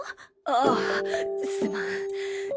ああすまん。